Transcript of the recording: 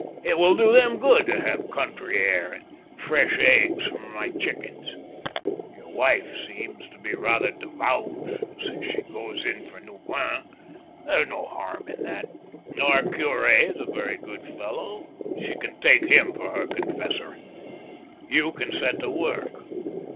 It will do them good to have country air, and fresh eggs from my chickens. Your wife seems to be rather devout, since she goes in for neuvaines. There's no harm in that. Our curi is a very good fellow ; she can take him for her confessor. You can set to work.